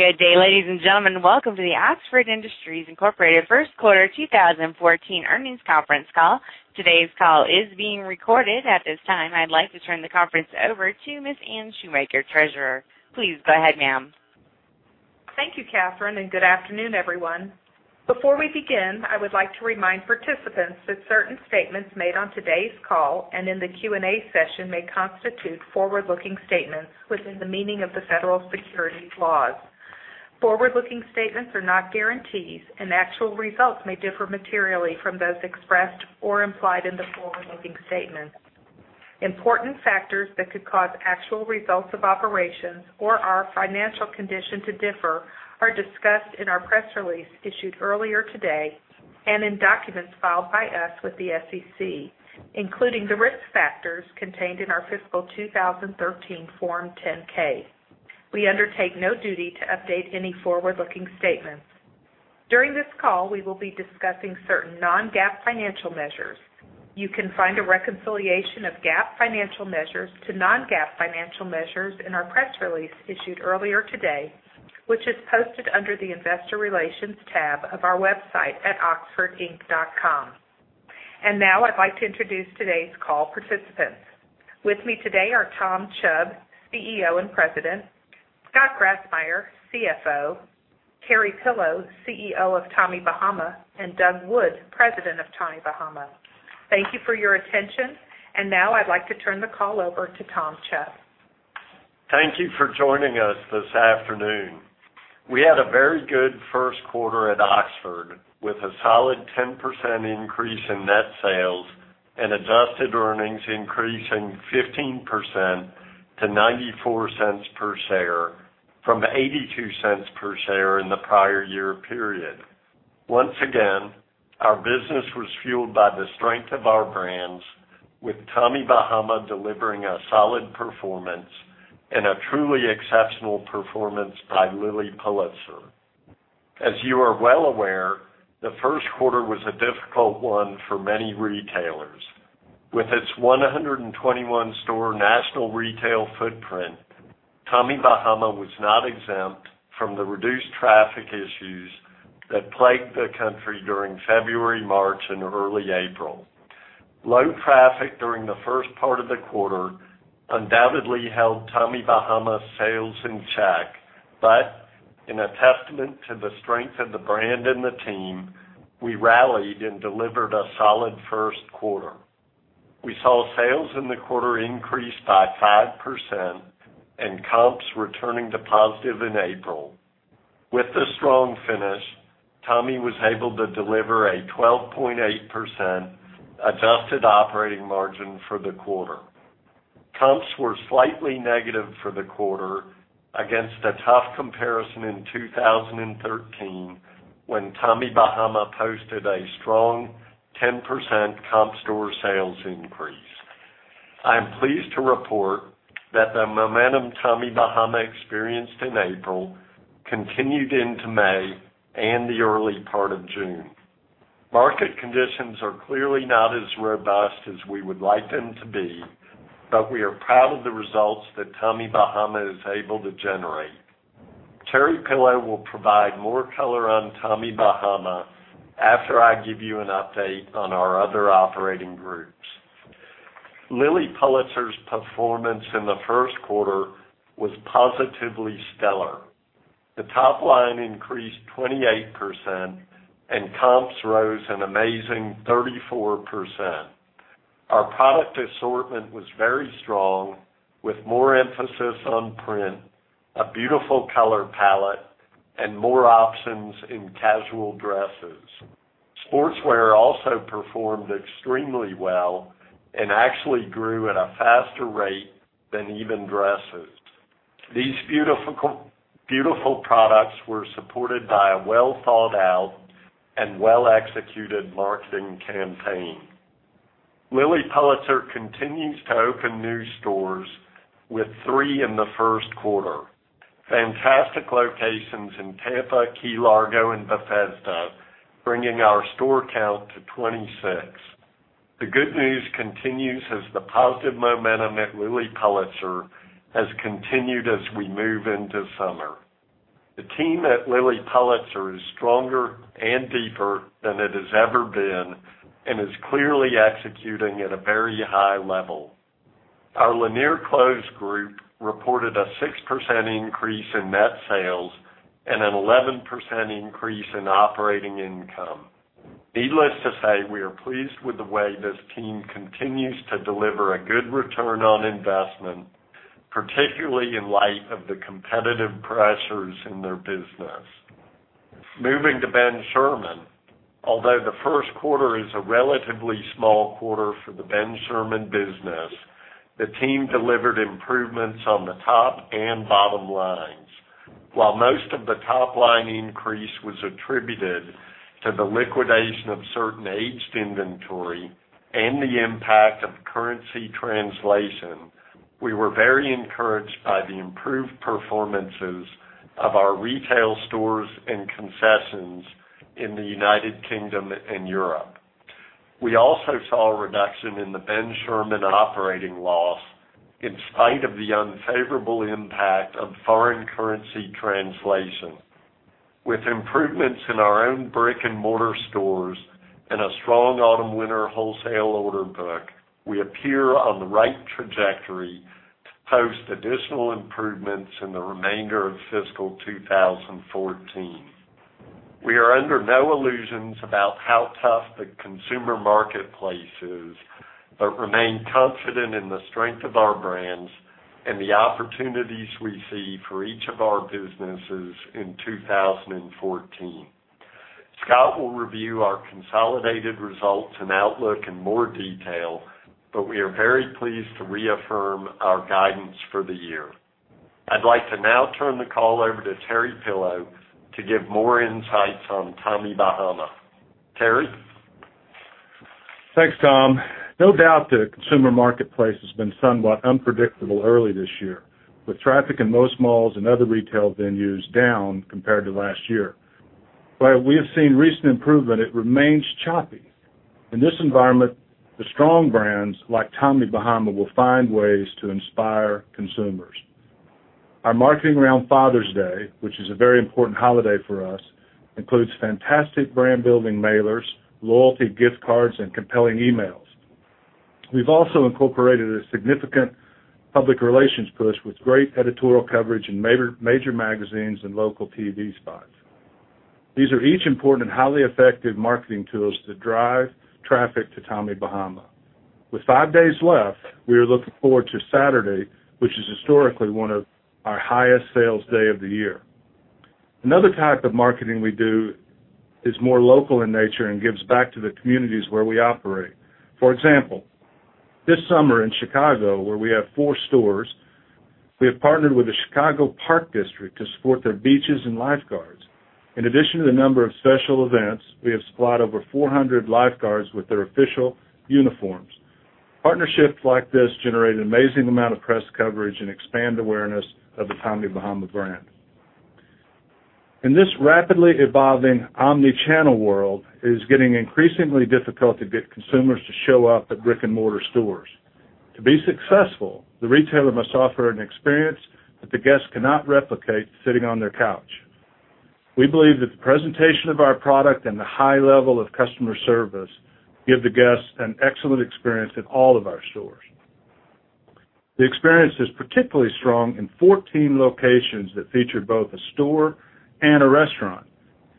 Good day, ladies and gentlemen. Welcome to the Oxford Industries, Inc. First Quarter 2014 earnings conference call. Today's call is being recorded. At this time, I'd like to turn the conference over to Ms. Anne Shoemaker, treasurer. Please go ahead, ma'am. Thank you, Catherine, good afternoon, everyone. Before we begin, I would like to remind participants that certain statements made on today's call and in the Q&A session may constitute forward-looking statements within the meaning of the federal securities laws. Forward-looking statements are not guarantees, and actual results may differ materially from those expressed or implied in the forward-looking statements. Important factors that could cause actual results of operations or our financial condition to differ are discussed in our press release issued earlier today and in documents filed by us with the SEC, including the risk factors contained in our fiscal 2013 Form 10-K. We undertake no duty to update any forward-looking statements. During this call, we will be discussing certain non-GAAP financial measures. You can find a reconciliation of GAAP financial measures to non-GAAP financial measures in our press release issued earlier today, which is posted under the Investor Relations tab of our website at oxfordinc.com. Now I'd like to introduce today's call participants. With me today are Tom Chubb, CEO and President, Scott Grassmyer, CFO, Terry Pillow, CEO of Tommy Bahama, and Doug Wood, President of Tommy Bahama. Thank you for your attention. Now I'd like to turn the call over to Tom Chubb. Thank you for joining us this afternoon. We had a very good first quarter at Oxford, with a solid 10% increase in net sales and adjusted earnings increasing 15% to $0.94 per share from $0.82 per share in the prior year period. Once again, our business was fueled by the strength of our brands, with Tommy Bahama delivering a solid performance and a truly exceptional performance by Lilly Pulitzer. As you are well aware, the first quarter was a difficult one for many retailers. With its 121-store national retail footprint, Tommy Bahama was not exempt from the reduced traffic issues that plagued the country during February, March, and early April. Low traffic during the first part of the quarter undoubtedly held Tommy Bahama's sales in check, but in a testament to the strength of the brand and the team, we rallied and delivered a solid first quarter. We saw sales in the quarter increase by 5% and comps returning to positive in April. With the strong finish, Tommy was able to deliver a 12.8% adjusted operating margin for the quarter. Comps were slightly negative for the quarter against a tough comparison in 2013, when Tommy Bahama posted a strong 10% comp store sales increase. I am pleased to report that the momentum Tommy Bahama experienced in April continued into May and the early part of June. Market conditions are clearly not as robust as we would like them to be, but we are proud of the results that Tommy Bahama is able to generate. Terry Pillow will provide more color on Tommy Bahama after I give you an update on our other operating groups. Lilly Pulitzer's performance in the first quarter was positively stellar. The top line increased 28%, and comps rose an amazing 34%. Our product assortment was very strong, with more emphasis on print, a beautiful color palette, and more options in casual dresses. Sportswear also performed extremely well and actually grew at a faster rate than even dresses. These beautiful products were supported by a well-thought-out and well-executed marketing campaign. Lilly Pulitzer continues to open new stores with three in the first quarter. Fantastic locations in Tampa, Key Largo, and Bethesda, bringing our store count to 26. The good news continues as the positive momentum at Lilly Pulitzer has continued as we move into summer. The team at Lilly Pulitzer is stronger and deeper than it has ever been and is clearly executing at a very high level. Our Lanier Clothes group reported a 6% increase in net sales and an 11% increase in operating income. Needless to say, we are pleased with the way this team continues to deliver a good return on investment, particularly in light of the competitive pressures in their business. Moving to Ben Sherman. Although the first quarter is a relatively small quarter for the Ben Sherman business, the team delivered improvements on the top and bottom lines. While most of the top-line increase was attributed to the liquidation of certain aged inventory and the impact of currency translation, we were very encouraged by the improved performances of our retail stores and concessions in the U.K. and Europe. We also saw a reduction in the Ben Sherman operating loss in spite of the unfavorable impact of foreign currency translation. With improvements in our own brick-and-mortar stores and a strong autumn-winter wholesale order book, we appear on the right trajectory to post additional improvements in the remainder of fiscal 2014. We are under no illusions about how tough the consumer marketplace is but remain confident in the strength of our brands and the opportunities we see for each of our businesses in 2014. Scott will review our consolidated results and outlook in more detail, but we are very pleased to reaffirm our guidance for the year. I'd like to now turn the call over to Terry Pillow to give more insights on Tommy Bahama. Terry? Thanks, Tom. No doubt the consumer marketplace has been somewhat unpredictable early this year, with traffic in most malls and other retail venues down compared to last year. While we have seen recent improvement, it remains choppy. In this environment, the strong brands like Tommy Bahama will find ways to inspire consumers. Our marketing around Father's Day, which is a very important holiday for us, includes fantastic brand building mailers, loyalty gift cards, and compelling emails. We've also incorporated a significant public relations push with great editorial coverage in major magazines and local TV spots. These are each important and highly effective marketing tools that drive traffic to Tommy Bahama. With five days left, we are looking forward to Saturday, which is historically one of our highest sales day of the year. Another type of marketing we do is more local in nature and gives back to the communities where we operate. For example, this summer in Chicago, where we have four stores, we have partnered with the Chicago Park District to support their beaches and lifeguards. In addition to the number of special events, we have supplied over 400 lifeguards with their official uniforms. Partnerships like this generate an amazing amount of press coverage and expand awareness of the Tommy Bahama brand. In this rapidly evolving omni-channel world, it is getting increasingly difficult to get consumers to show up at brick-and-mortar stores. To be successful, the retailer must offer an experience that the guests cannot replicate sitting on their couch. We believe that the presentation of our product and the high level of customer service give the guests an excellent experience at all of our stores. The experience is particularly strong in 14 locations that feature both a store and a restaurant.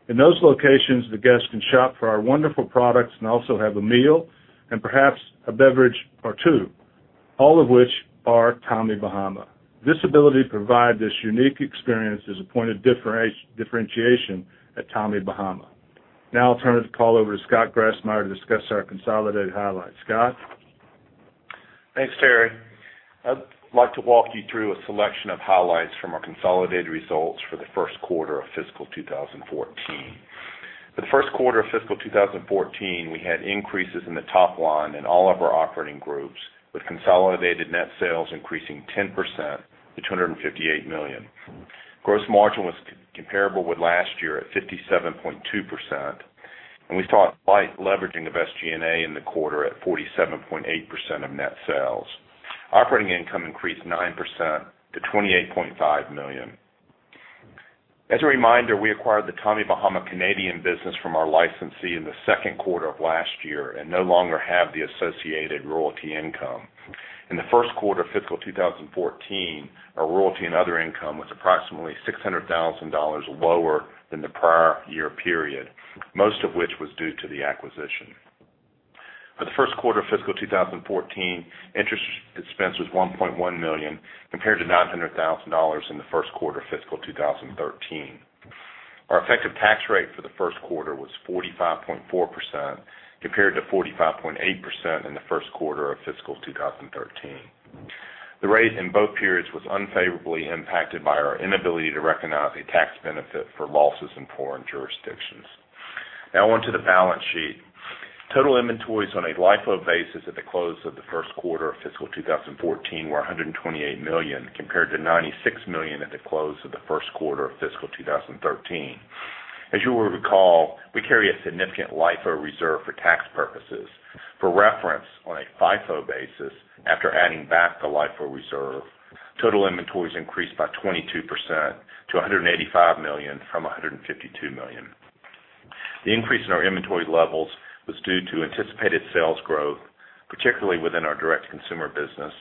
In those locations, the guests can shop for our wonderful products and also have a meal and perhaps a beverage or two, all of which are Tommy Bahama. This ability to provide this unique experience is a point of differentiation at Tommy Bahama. Now I'll turn the call over to Scott Grassmyer to discuss our consolidated highlights. Scott? Thanks, Terry. I'd like to walk you through a selection of highlights from our consolidated results for the first quarter of fiscal 2014. For the first quarter of fiscal 2014, we had increases in the top line in all of our operating groups, with consolidated net sales increasing 10% to $258 million. Gross margin was comparable with last year at 57.2%, and we saw slight leveraging of SG&A in the quarter at 47.8% of net sales. Operating income increased 9% to $28.5 million. As a reminder, we acquired the Tommy Bahama Canadian business from our licensee in the second quarter of last year and no longer have the associated royalty income. In the first quarter of fiscal 2014, our royalty and other income was approximately $600,000 lower than the prior year period, most of which was due to the acquisition. For the first quarter of fiscal 2014, interest expense was $1.1 million, compared to $900,000 in the first quarter of fiscal 2013. Our effective tax rate for the first quarter was 45.4%, compared to 45.8% in the first quarter of fiscal 2013. The rate in both periods was unfavorably impacted by our inability to recognize a tax benefit for losses in foreign jurisdictions. Now on to the balance sheet. Total inventories on a LIFO basis at the close of the first quarter of fiscal 2014 were $128 million, compared to $96 million at the close of the first quarter of fiscal 2013. As you will recall, we carry a significant LIFO reserve for tax purposes. For reference, on a FIFO basis, after adding back the LIFO reserve, total inventories increased by 22% to $185 million from $152 million. The increase in our inventory levels was due to anticipated sales growth, particularly within our direct-to-consumer business,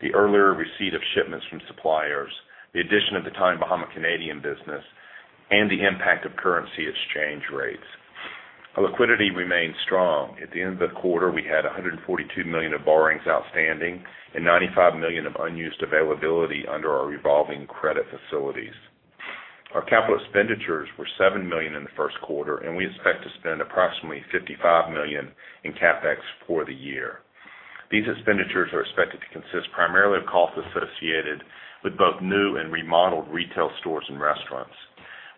the earlier receipt of shipments from suppliers, the addition of the Tommy Bahama Canadian business, and the impact of currency exchange rates. Our liquidity remained strong. At the end of the quarter, we had $142 million of borrowings outstanding and $95 million of unused availability under our revolving credit facilities. Our capital expenditures were $7 million in the first quarter, and we expect to spend approximately $55 million in CapEx for the year. These expenditures are expected to consist primarily of costs associated with both new and remodeled retail stores and restaurants.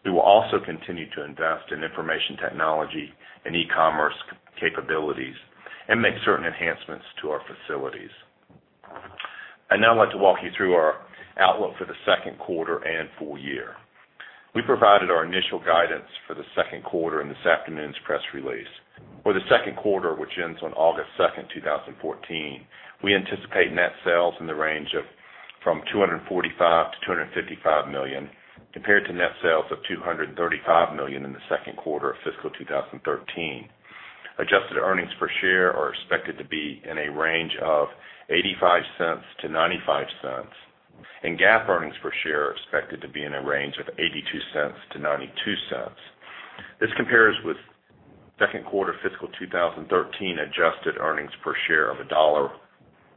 We will also continue to invest in information technology and e-commerce capabilities and make certain enhancements to our facilities. I now like to walk you through our outlook for the second quarter and full year. We provided our initial guidance for the second quarter in this afternoon's press release. For the second quarter, which ends on August 2nd, 2014, we anticipate net sales in the range of from $245 million-$255 million, compared to net sales of $235 million in the second quarter of fiscal 2013. Adjusted earnings per share are expected to be in a range of $0.85-$0.95, and GAAP earnings per share are expected to be in a range of $0.82-$0.92. This compares with second quarter fiscal 2013 adjusted earnings per share of $1.01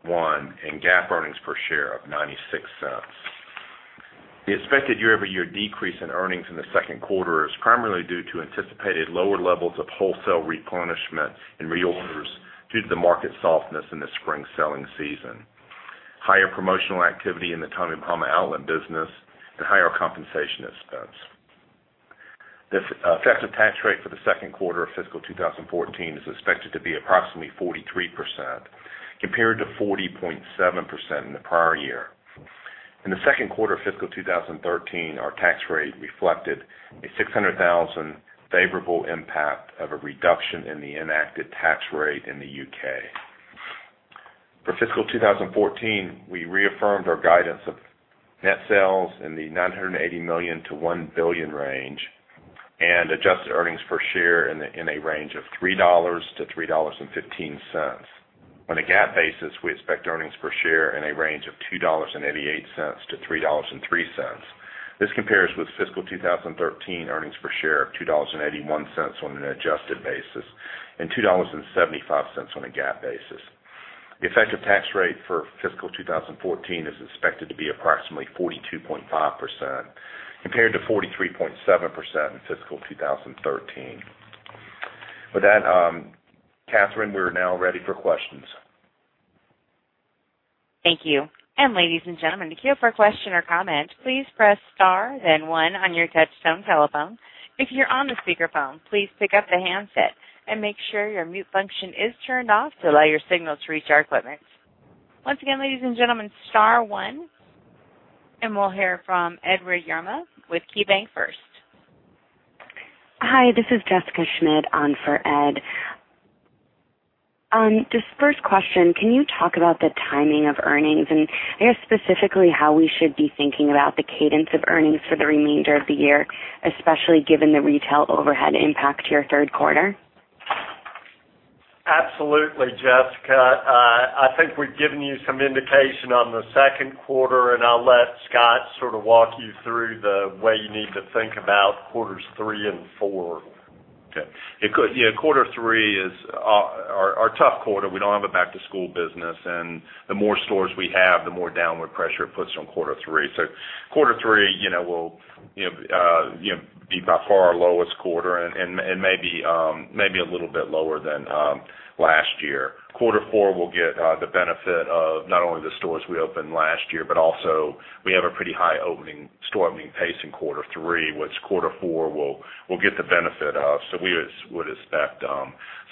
and GAAP earnings per share of $0.96. The expected year-over-year decrease in earnings in the second quarter is primarily due to anticipated lower levels of wholesale replenishment and reorders due to the market softness in the spring selling season, higher promotional activity in the Tommy Bahama outlet business, and higher compensation expense. The effective tax rate for the second quarter of fiscal 2014 is expected to be approximately 43%, compared to 40.7% in the prior year. In the second quarter of fiscal 2013, our tax rate reflected a $600,000 favorable impact of a reduction in the enacted tax rate in the U.K. For fiscal 2014, we reaffirmed our guidance of net sales in the $980 million-$1 billion range and adjusted earnings per share in a range of $3-$3.15. On a GAAP basis, we expect earnings per share in a range of $2.88-$3.03. This compares with fiscal 2013 earnings per share of $2.81 on an adjusted basis and $2.75 on a GAAP basis. The effective tax rate for fiscal 2014 is expected to be approximately 42.5%, compared to 43.7% in fiscal 2013. With that, Catherine, we're now ready for questions. Thank you. Ladies and gentlemen, to queue up for a question or comment, please press * then one on your touchtone telephone. If you're on the speakerphone, please pick up the handset and make sure your mute function is turned off to allow your signal to reach our equipment. Once again, ladies and gentlemen, * one. We'll hear from Edward Yruma with KeyBanc first. Hi, this is Jessica Schmidt on for Ed. Just first question, can you talk about the timing of earnings? I guess specifically how we should be thinking about the cadence of earnings for the remainder of the year, especially given the retail overhead impact to your third quarter? Absolutely, Jessica. I think we've given you some indication on the second quarter, I'll let Scott sort of walk you through the way you need to think about quarters 3 and 4. Okay. Yeah, quarter three is our tough quarter. We don't have a back-to-school business, and the more stores we have, the more downward pressure it puts on quarter three. Quarter three will be by far our lowest quarter and maybe a little bit lower than last year. Quarter four will get the benefit of not only the stores we opened last year, but also we have a pretty high store opening pace in quarter three, which quarter four will get the benefit of. We would expect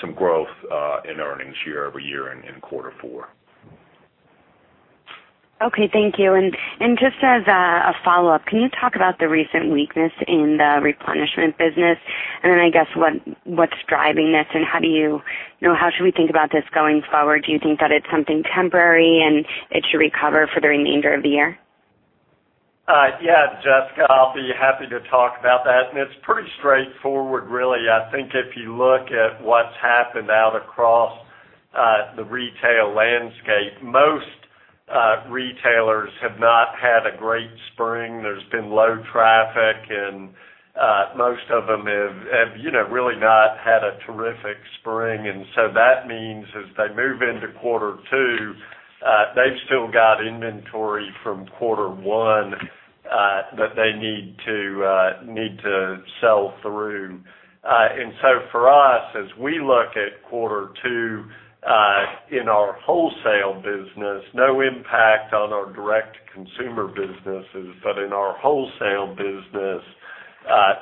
some growth in earnings year-over-year in quarter four. Okay, thank you. Just as a follow-up, can you talk about the recent weakness in the replenishment business? I guess what's driving this and how should we think about this going forward? Do you think that it's something temporary and it should recover for the remainder of the year? Yeah, Jessica, I'll be happy to talk about that. It's pretty straightforward, really. I think if you look at what's happened out across the retail landscape, most retailers have not had a great spring. There's been low traffic, and most of them have really not had a terrific spring. That means as they move into quarter two, they've still got inventory from quarter one that they need to sell through. For us, as we look at quarter two in our wholesale business, no impact on our direct-to-consumer businesses, but in our wholesale business,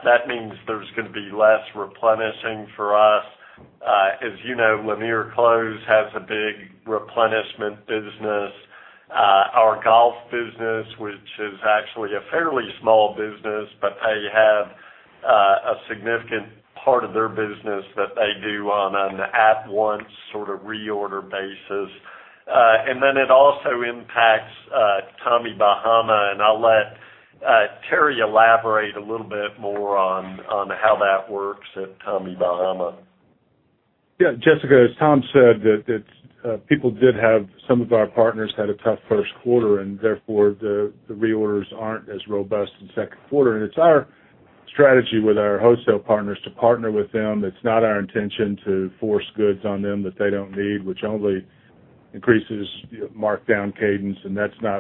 that means there's gonna be less replenishing for us. As you know, Lanier Clothes has a big replenishment business. Our golf business, which is actually a fairly small business, but they have a significant part of their business that they do on an at-once sort of reorder basis. It also impacts Tommy Bahama, and I'll let Terry elaborate a little bit more on how that works at Tommy Bahama. Jessica, as Tom said, some of our partners had a tough first quarter and therefore the reorders aren't as robust in second quarter. It's our strategy with our wholesale partners to partner with them. It's not our intention to force goods on them that they don't need, which only increases markdown cadence.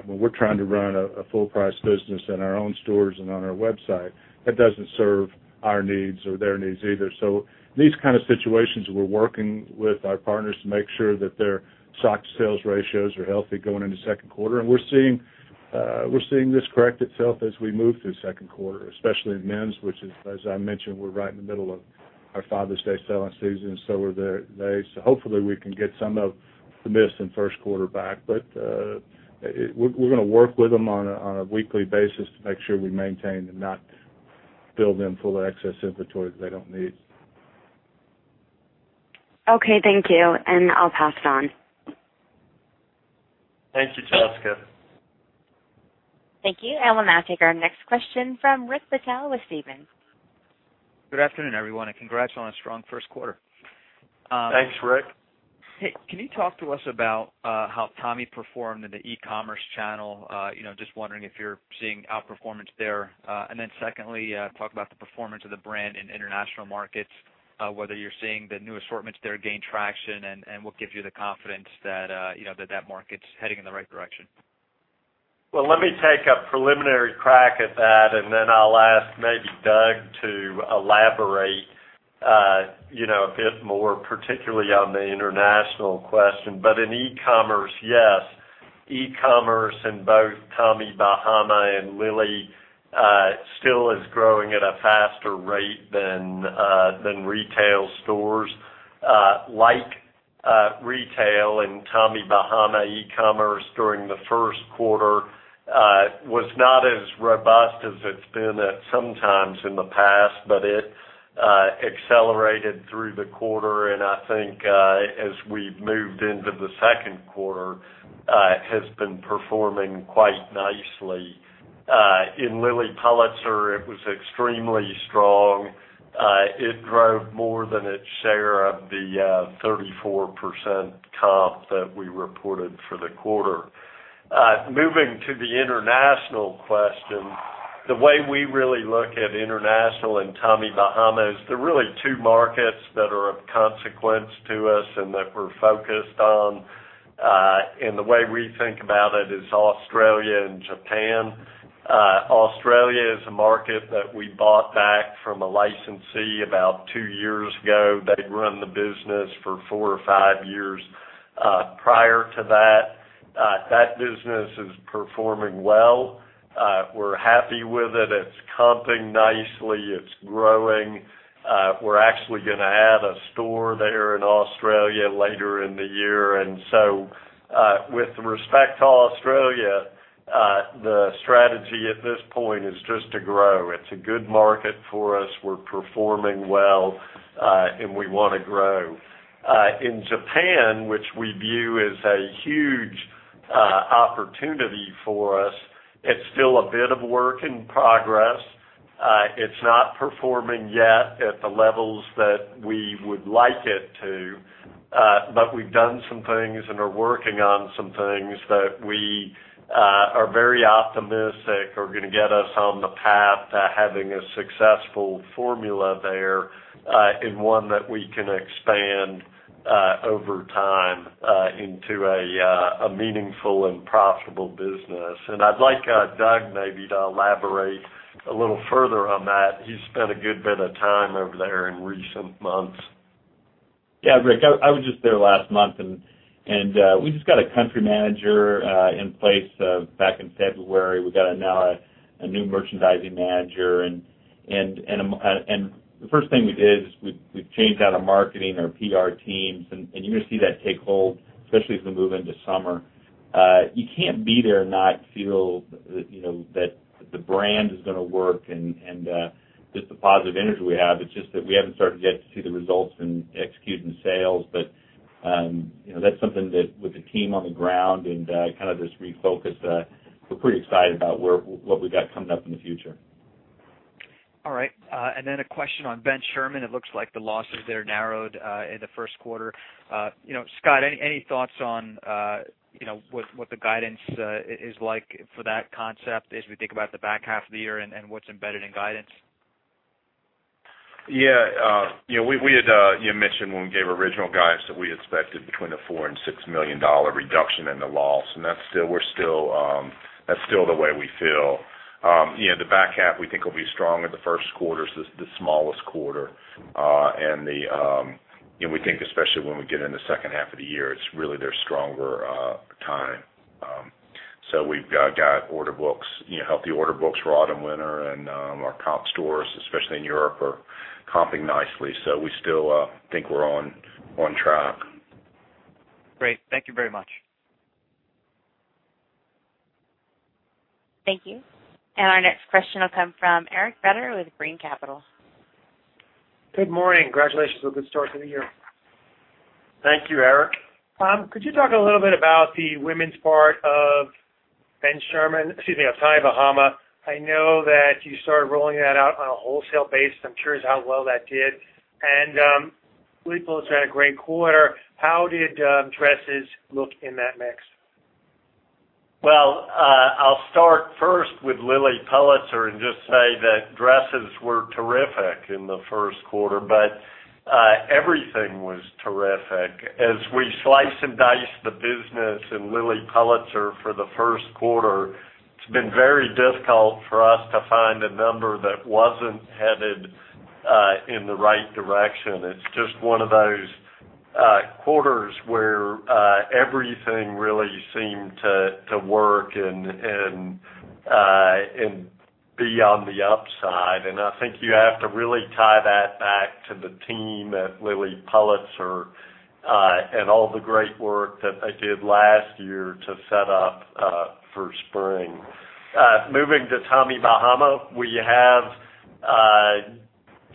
We're trying to run a full-price business in our own stores and on our website. That doesn't serve our needs or their needs either. In these kind of situations, we're working with our partners to make sure that their stock-to-sales ratios are healthy going into second quarter. We're seeing this correct itself as we move through second quarter, especially in men's, which is, as I mentioned, we're right in the middle of Our Father's Day selling season, so are they. Hopefully we can get some of the miss in first quarter back. We're going to work with them on a weekly basis to make sure we maintain and not build them full of excess inventory that they don't need. Okay. Thank you. I'll pass it on. Thank you, Jessica. Thank you. I will now take our next question from Rick Patel with Stephens. Good afternoon, everyone, and congrats on a strong first quarter. Thanks, Rick. Hey, can you talk to us about how Tommy performed in the e-commerce channel? Just wondering if you're seeing outperformance there. Secondly, talk about the performance of the brand in international markets, whether you're seeing the new assortments there gain traction, and what gives you the confidence that market's heading in the right direction? Let me take a preliminary crack at that, I'll ask maybe Doug to elaborate a bit more, particularly on the international question. In e-commerce, yes. E-commerce in both Tommy Bahama and Lilly, still is growing at a faster rate than retail stores. Like retail and Tommy Bahama, e-commerce during the first quarter was not as robust as it's been at some times in the past, but it accelerated through the quarter and I think as we've moved into the second quarter has been performing quite nicely. In Lilly Pulitzer, it was extremely strong. It drove more than its share of the 34% comp that we reported for the quarter. Moving to the international question, the way we really look at international and Tommy Bahama is there are really two markets that are of consequence to us and that we're focused on. The way we think about it is Australia and Japan. Australia is a market that we bought back from a licensee about two years ago. They'd run the business for four or five years prior to that. That business is performing well. We're happy with it. It's comping nicely. It's growing. We're actually gonna add a store there in Australia later in the year. So with respect to Australia, the strategy at this point is just to grow. It's a good market for us. We're performing well. We wanna grow. In Japan, which we view as a huge opportunity for us, it's still a bit of work in progress. It's not performing yet at the levels that we would like it to. We've done some things and are working on some things that we are very optimistic are gonna get us on the path to having a successful formula there, and one that we can expand over time into a meaningful and profitable business. I'd like Doug maybe to elaborate a little further on that. He's spent a good bit of time over there in recent months. Yeah. Rick, I was just there last month, we just got a country manager in place back in February. We got now a new merchandising manager. The first thing we did is we changed out our marketing, our PR teams, and you're gonna see that take hold, especially as we move into summer. You can't be there and not feel that the brand is gonna work, and just the positive energy we have. It's just that we haven't started yet to see the results in executing sales. That's something that with the team on the ground and this refocus, we're pretty excited about what we've got coming up in the future. All right. A question on Ben Sherman. It looks like the losses there narrowed in the first quarter. Scott, any thoughts on what the guidance is like for that concept as we think about the back half of the year and what's embedded in guidance? Yeah. You mentioned when we gave original guidance that we expected between the $4 million-$6 million reduction in the loss, that's still the way we feel. The back half we think will be stronger. The first quarter's the smallest quarter. We think especially when we get in the second half of the year, it's really their stronger time. We've got healthy order books for autumn, winter, and our comp stores, especially in Europe, are comping nicely. We still think we're on track. Great. Thank you very much. Thank you. Our next question will come from Eric Retter with Green Capital. Good morning. Congratulations on a good start to the year. Thank you, Eric. Tom, could you talk a little bit about the women's part of Ben Sherman, excuse me, of Tommy Bahama? I know that you started rolling that out on a wholesale basis. I'm curious how well that did. Lilly Pulitzer had a great quarter. How did dresses look in that mix? Well, I'll start first with Lilly Pulitzer and just say that dresses were terrific in the first quarter, but everything was terrific. As we slice and dice the business in Lilly Pulitzer for the first quarter, it's been very difficult for us to find a number that wasn't headed in the right direction. It's just one of those quarters where everything really seemed to work and be on the upside. I think you have to really tie that back to the team at Lilly Pulitzer and all the great work that they did last year to set up for spring. Moving to Tommy Bahama, we have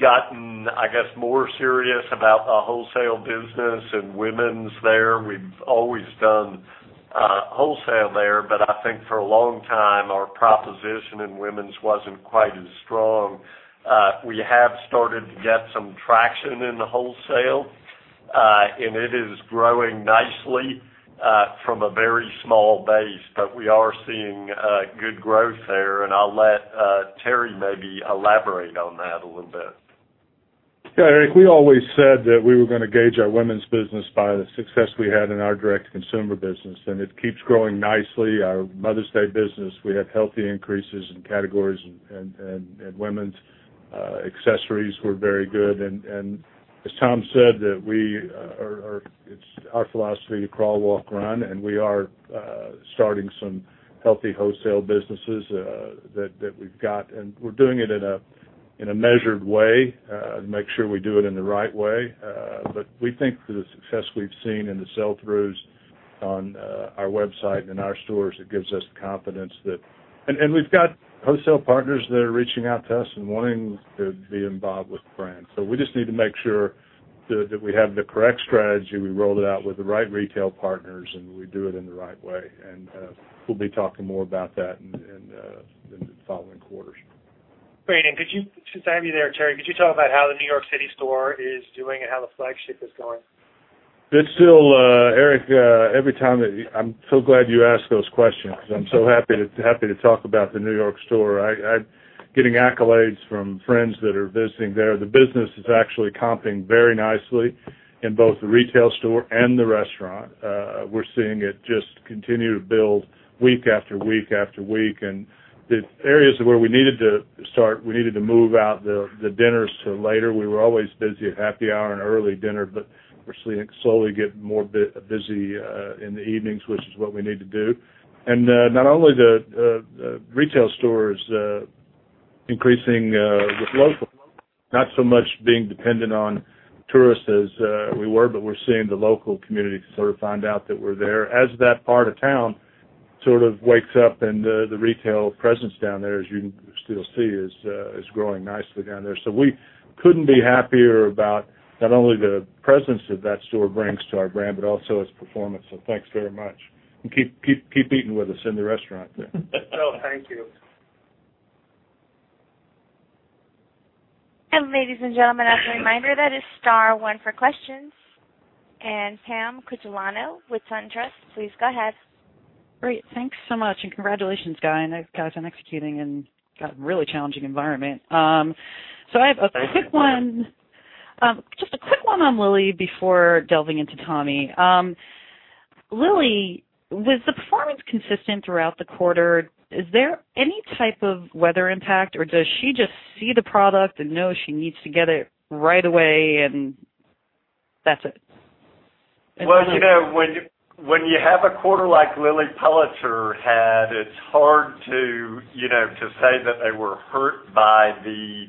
gotten, I guess, more serious about the wholesale business and women's there. We've always done wholesale there, but I think for a long time, our proposition in women's wasn't quite as strong. We have started to get some traction in the wholesale, and it is growing nicely from a very small base. We are seeing good growth there, and I'll let Terry maybe elaborate on that a little bit. Yeah, Eric, we always said that we were going to gauge our women's business by the success we had in our direct-to-consumer business, and it keeps growing nicely. Our Mother's Day business, we had healthy increases in categories, and women's accessories were very good. As Tom said, it's our philosophy to crawl, walk, run, and we are starting some healthy wholesale businesses that we've got. We're doing it in a measured way to make sure we do it in the right way. We think the success we've seen in the sell-throughs on our website and in our stores, it gives us the confidence that. We've got wholesale partners that are reaching out to us and wanting to be involved with the brand. We just need to make sure that we have the correct strategy, we roll it out with the right retail partners, and we do it in the right way. We'll be talking more about that in the following quarters. Great. Since I have you there, Terry, could you talk about how the New York City store is doing and how the flagship is going? It's still, Eric, every time that-- I'm so glad you asked those questions because I'm so happy to talk about the New York store. I'm getting accolades from friends that are visiting there. The business is actually comping very nicely in both the retail store and the restaurant. We're seeing it just continue to build week after week after week. The areas where we needed to start, we needed to move out the dinners to later. We were always busy at happy hour and early dinner, but we're seeing it slowly get more busy in the evenings, which is what we need to do. Not only the retail store is increasing with local, not so much being dependent on tourists as we were, but we're seeing the local community sort of find out that we're there. As that part of town sort of wakes up and the retail presence down there, as you can still see, is growing nicely down there. We couldn't be happier about not only the presence that that store brings to our brand, but also its performance. Thanks very much, and keep eating with us in the restaurant there. Thank you. Ladies and gentlemen, as a reminder, that is star one for questions. Pamela Quintiliano with SunTrust, please go ahead. Great. Thanks so much, and congratulations, guys, on executing in a really challenging environment. I have a quick one. Just a quick one on Lilly before delving into Tommy. Lilly, was the performance consistent throughout the quarter? Is there any type of weather impact, or does she just see the product and know she needs to get it right away and that's it? Well, when you have a quarter like Lilly Pulitzer had, it's hard to say that they were hurt by the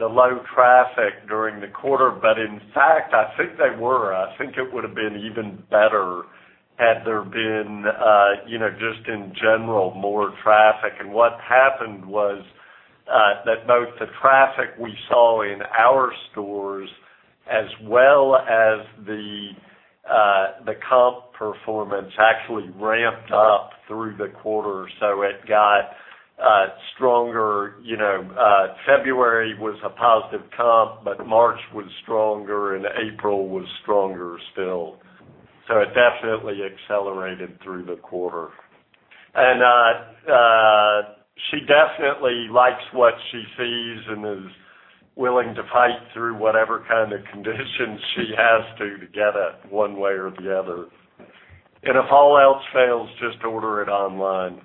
low traffic during the quarter. In fact, I think they were. I think it would've been even better had there been just in general more traffic. What happened was that both the traffic we saw in our stores as well as the comp performance actually ramped up through the quarter. It got stronger. February was a positive comp, but March was stronger, and April was stronger still. It definitely accelerated through the quarter. She definitely likes what she sees and is willing to fight through whatever kind of conditions she has to to get it one way or the other. If all else fails, just order it online.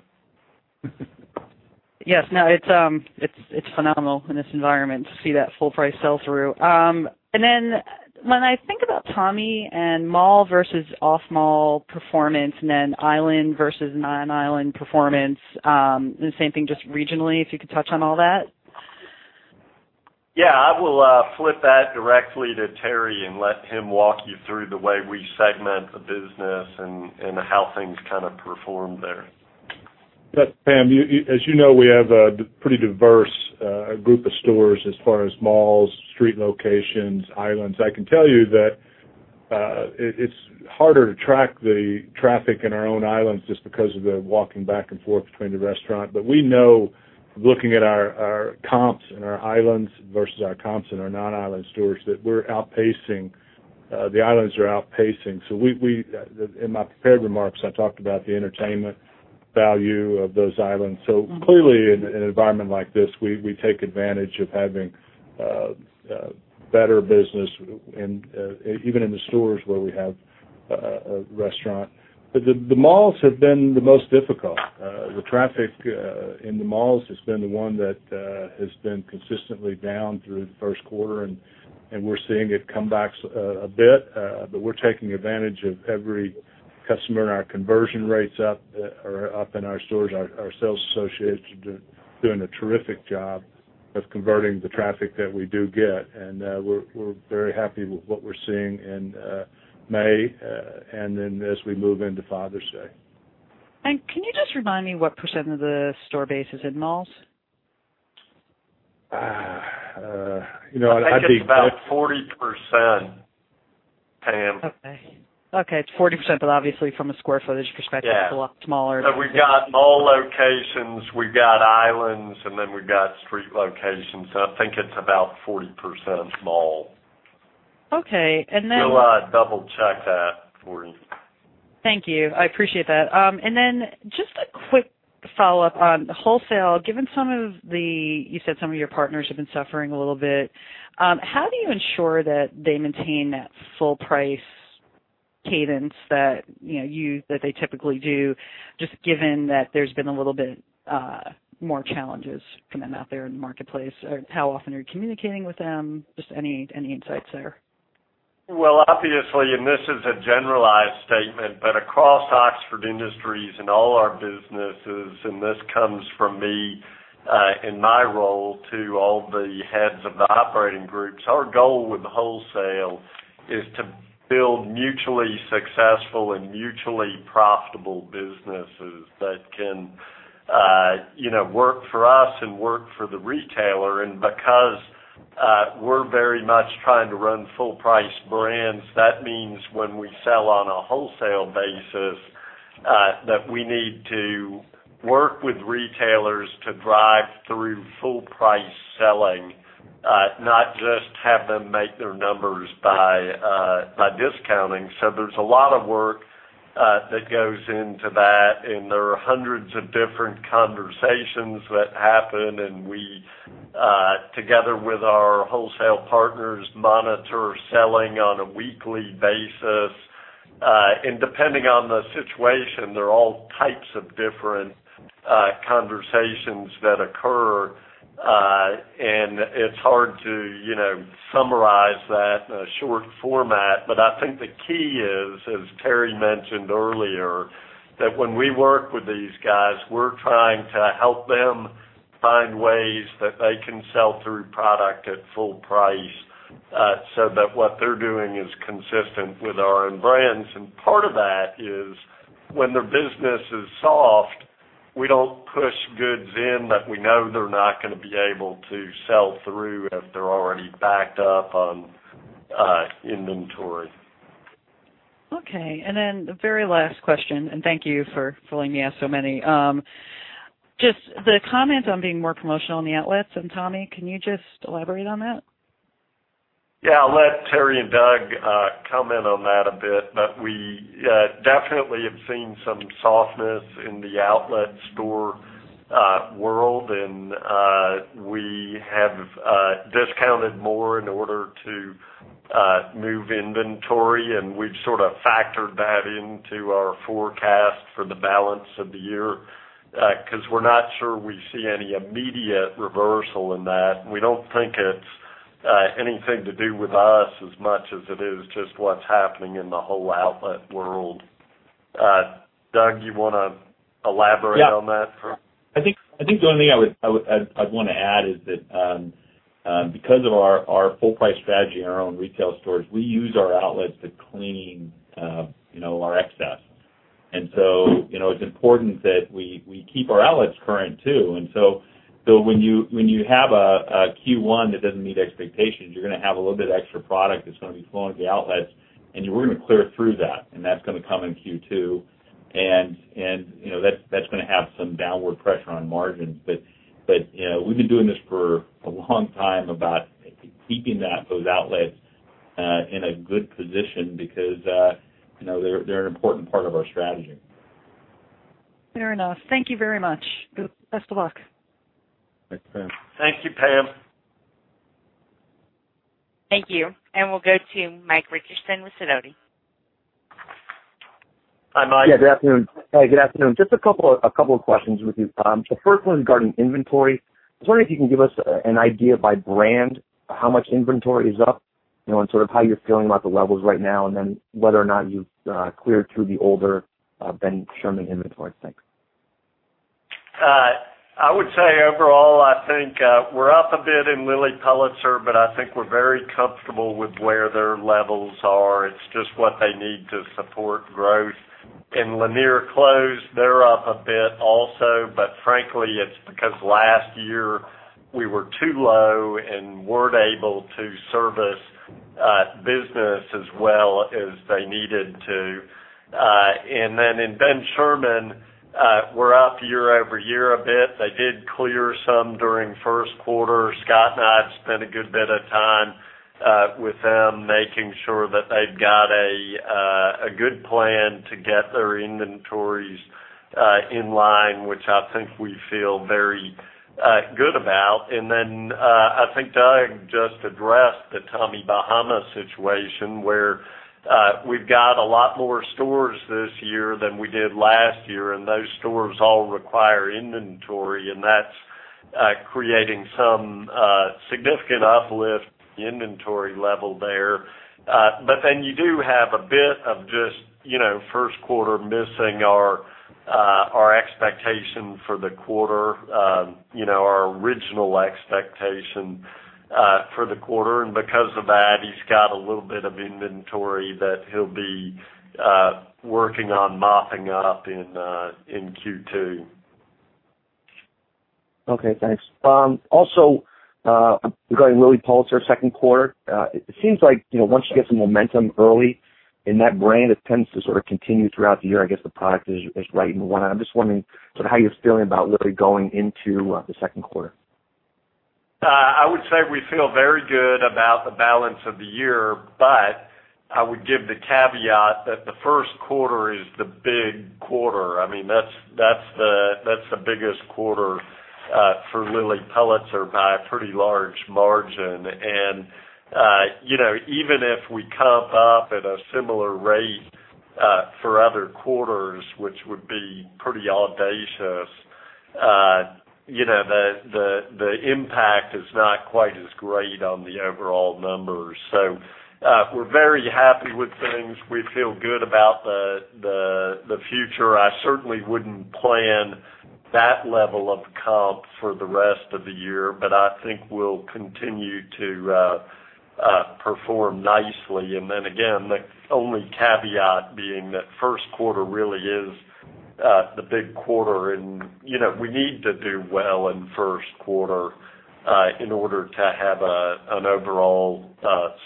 Yes. No, it's phenomenal in this environment to see that full price sell-through. When I think about Tommy and mall versus off-mall performance, island versus non-island performance, the same thing just regionally, if you could touch on all that. Yeah. I will flip that directly to Terry and let him walk you through the way we segment the business and how things kind of performed there. Pam, as you know, we have a pretty diverse group of stores as far as malls, street locations, islands. I can tell you that it's harder to track the traffic in our own islands just because of the walking back and forth between the restaurant. We know from looking at our comps in our islands versus our comps in our non-island stores, that the islands are outpacing. In my prepared remarks, I talked about the entertainment value of those islands. Clearly, in an environment like this, we take advantage of having better business even in the stores where we have A restaurant. The malls have been the most difficult. The traffic in the malls has been the one that has been consistently down through the first quarter. We're seeing it come back a bit. We're taking advantage of every customer and our conversion rates are up in our stores. Our sales associates are doing a terrific job of converting the traffic that we do get. We're very happy with what we're seeing in May, as we move into Father's Day. Can you just remind me what % of the store base is in malls? I think it's about 40%, Pam. Okay. It's 40%, obviously from a square footage perspective- Yeah it's a lot smaller. We've got mall locations, we've got islands, we've got street locations. I think it's about 40% of mall. Okay. - We'll double-check that for you. Thank you. I appreciate that. Just a quick follow-up on wholesale, given you said some of your partners have been suffering a little bit, how do you ensure that they maintain that full price cadence that they typically do, just given that there's been a little bit more challenges from them out there in the marketplace? How often are you communicating with them? Just any insights there? Well, obviously, this is a generalized statement. Across Oxford Industries and all our businesses, this comes from me, in my role to all the heads of the operating groups. Our goal with the wholesale is to build mutually successful and mutually profitable businesses that can work for us and work for the retailer. Because we're very much trying to run full price brands, that means when we sell on a wholesale basis, that we need to work with retailers to drive through full price selling, not just have them make their numbers by discounting. There's a lot of work that goes into that. There are hundreds of different conversations that happen. We, together with our wholesale partners, monitor selling on a weekly basis. Depending on the situation, there are all types of different conversations that occur. It's hard to summarize that in a short format. I think the key is, as Terry mentioned earlier, that when we work with these guys, we're trying to help them find ways that they can sell through product at full price, so that what they're doing is consistent with our own brands. Part of that is when their business is soft, we don't push goods in that we know they're not going to be able to sell through if they're already backed up on inventory. Okay, the very last question, thank you for letting me ask so many. Just the comment on being more promotional on the outlets. Tommy, can you just elaborate on that? Yeah, I'll let Terry and Doug comment on that a bit. We definitely have seen some softness in the outlet store world, we have discounted more in order to move inventory, we've sort of factored that into our forecast for the balance of the year. We're not sure we see any immediate reversal in that. We don't think it's anything to do with us as much as it is just what's happening in the whole outlet world. Doug, do you want to elaborate on that? Yeah. I think the only thing I'd want to add is that because of our full price strategy in our own retail stores, we use our outlets to clean our excess. It's important that we keep our outlets current, too. When you have a Q1 that doesn't meet expectations, you're going to have a little bit of extra product that's going to be flowing through the outlets, we're going to clear through that's going to come in Q2. That's going to have some downward pressure on margins. We've been doing this for a long time about keeping those outlets in a good position because they're an important part of our strategy. Fair enough. Thank you very much. Best of luck. Thanks, Pam. Thank you, Pam. Thank you. We'll go to Michael Richardson with Sidoti. Hi, Mike. Good afternoon. Just a couple of questions with you, Tom. First one is regarding inventory. I was wondering if you can give us an idea by brand how much inventory is up, and sort of how you're feeling about the levels right now, and then whether or not you've cleared through the older Ben Sherman inventory. Thanks. I would say overall, I think we're up a bit in Lilly Pulitzer, but I think we're very comfortable with where their levels are. It's just what they need to support growth. In Lanier Clothes, they're up a bit also, but frankly, it's because last year we were too low and weren't able to service business as well as they needed to. In Ben Sherman, we're up year-over-year a bit. They did clear some during first quarter. Scott and I have spent a good bit of time with them, making sure that they've got a good plan to get their inventories in line, which I think we feel very good about. I think Doug just addressed the Tommy Bahama situation, where we've got a lot more stores this year than we did last year, and those stores all require inventory, and that's creating some significant uplift in inventory level there. You do have a bit of just first quarter missing our expectation for the quarter, our original expectation for the quarter. Because of that, he's got a little bit of inventory that he'll be working on mopping up in Q2. Okay, thanks. Also, regarding Lilly Pulitzer second quarter, it seems like once you get some momentum early in that brand, it tends to sort of continue throughout the year. I guess the product is right. I'm just wondering sort of how you're feeling about Lilly going into the second quarter. I would say we feel very good about the balance of the year, but I would give the caveat that the first quarter is the big quarter. That's the biggest quarter for Lilly Pulitzer by a pretty large margin. Even if we comp up at a similar rate for other quarters, which would be pretty audacious, the impact is not quite as great on the overall numbers. We're very happy with things. We feel good about the future. I certainly wouldn't plan that level of comp for the rest of the year, but I think we'll continue to perform nicely. Again, the only caveat being that first quarter really is the big quarter, and we need to do well in first quarter in order to have an overall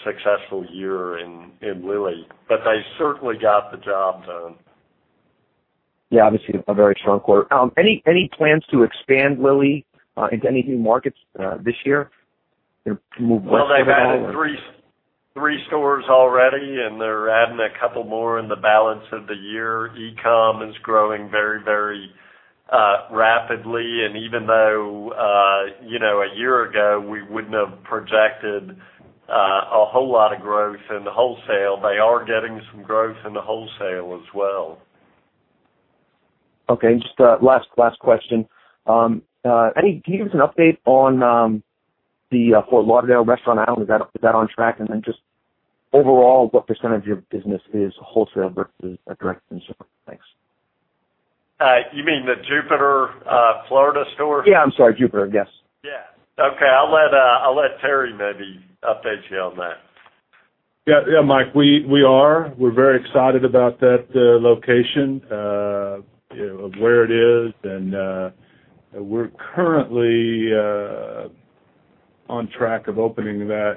successful year in Lilly. They certainly got the job done. Yeah, obviously, a very strong quarter. Any plans to expand Lilly into any new markets this year? They've added three stores already, and they're adding a couple more in the balance of the year. e-com is growing very rapidly. Even though a year ago, we wouldn't have projected a whole lot of growth in the wholesale, they are getting some growth in the wholesale as well. Just last question. Can you give us an update on the Fort Lauderdale Restaurant Island? Is that on track? Just overall, what percentage of your business is wholesale versus direct consumer? You mean the Jupiter, Florida store? Yeah. I'm sorry, Jupiter. Yes. Yeah. Okay. I'll let Terry maybe update you on that. Yeah, Mike, we are. We're very excited about that location, where it is, and we're currently on track of opening that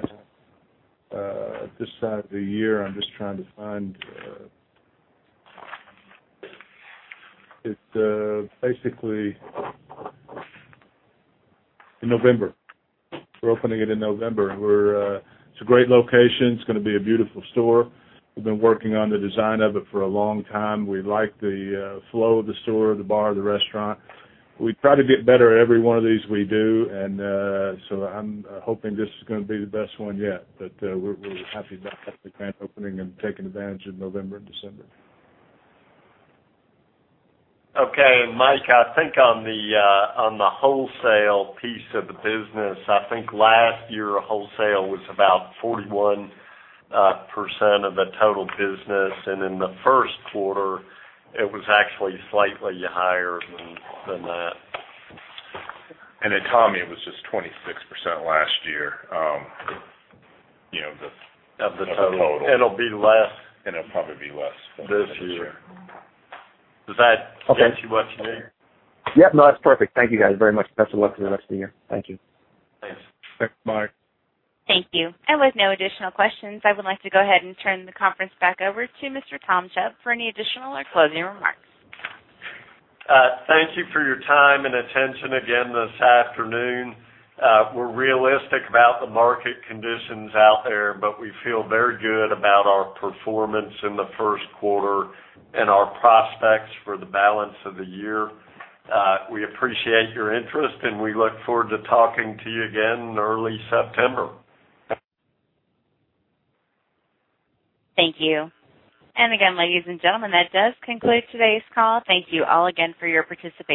this side of the year. I'm just trying to find It's basically in November. We're opening it in November. It's a great location. It's going to be a beautiful store. We've been working on the design of it for a long time. We like the flow of the store, the bar, the restaurant. We try to get better at every one of these we do, and so I'm hoping this is going to be the best one yet. We're happy about that, the grand opening and taking advantage of November and December. Okay. Mike, I think on the wholesale piece of the business, I think last year, wholesale was about 41% of the total business. In the first quarter, it was actually slightly higher than that. At Tommy, it was just 26% last year of the total. It'll probably be less this year. Does that get you what you need? Yep, no, that's perfect. Thank you guys very much. Best of luck for the rest of the year. Thank you. Thanks. Thanks, Mike. Thank you. With no additional questions, I would like to go ahead and turn the conference back over to Mr. Tom Chubb for any additional or closing remarks. Thank you for your time and attention again this afternoon. We're realistic about the market conditions out there, but we feel very good about our performance in the first quarter and our prospects for the balance of the year. We appreciate your interest, and we look forward to talking to you again in early September. Thank you. Again, ladies and gentlemen, that does conclude today's call. Thank you all again for your participation.